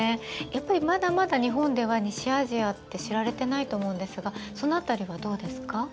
やっぱりまだまだ日本では西アジアって知られてないと思うんですがその辺りはどうですか？